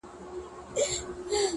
• زه به يې ياد يم که نه ـ